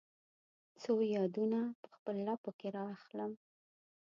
څو یادونه په خپل لپو کې را اخلم